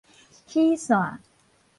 齒線